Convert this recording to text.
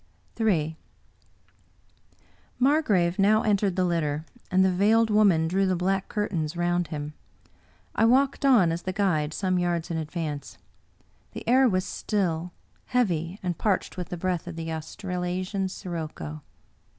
Ill Margrave now entered the litter, and the Veiled Woman drew the black curtains round him. I walked on, as the guide, some yards in advance. The air was still, heavy, and parched with the breath of the Australasian sirocco.